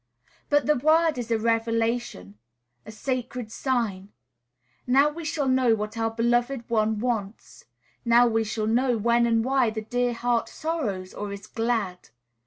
But the word is a revelation, a sacred sign. Now we shall know what our beloved one wants; now we shall know when and why the dear heart sorrows or is glad.